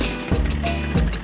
terima kasih bang